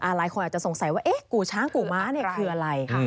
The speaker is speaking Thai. หลายคนจะสงสัยว่ากูช้างกูม้าเป็นอะไร